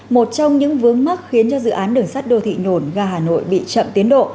một trong những vướng mắt khiến cho dự án đường sắt đô thị nổn gà hà nội bị chậm tiến độ